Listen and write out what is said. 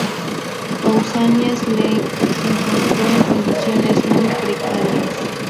Pausanias la encontró en condiciones muy precarias.